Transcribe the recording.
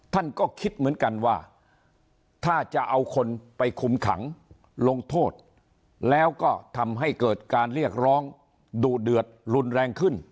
ท่านก็คิดเหมือนกันว่าถ้าจะเอาคนไปคุมขังลงโทษแล้วก็ทำให้เกิดการเรียกร้องดุเดือดรุนแรงขึ้น